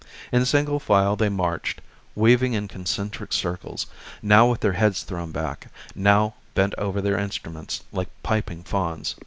In single file they marched, weaving in concentric circles, now with their heads thrown back, now bent over their instruments like piping fauns.